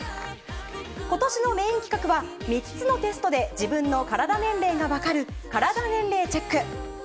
今年のメイン企画は３つのテストで自分のカラダ年齢がわかるカラダ年齢チェック。